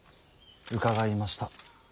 伺いました。